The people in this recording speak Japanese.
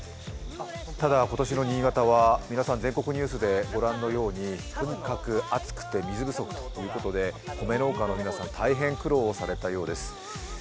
ただ今年の新潟は、皆さん、全国ニュースでご覧のようにとにかく暑くて水不足ということで米農家の皆さん、大変苦労をされたようです。